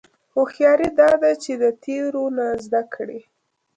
هوښیاري دا ده چې د تېرو نه زده کړې.